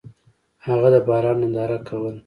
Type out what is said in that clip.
هغه د باران ننداره کوله.